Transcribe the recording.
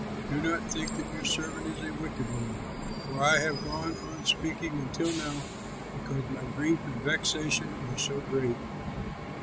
Do not think that your servant is a wicked woman, for I have gone on speaking until now because my grief and vexation are so great."